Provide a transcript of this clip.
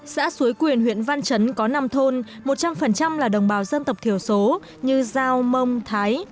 xã suối quyền huyện văn chấn có năm thôn một trăm linh là đồng bào dân tộc thiểu số như giao mông thái